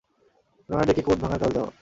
রানাডেকে code ভাঙার কাজ দাও।